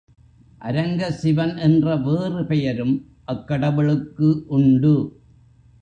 அரங்க சிவன் என்ற வேறு பெயரும் அக் கடவுளுக்கு உண்டு.